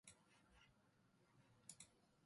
青い空、綺麗な湖